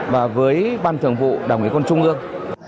và với ban thường vụ đồng ý con trung ương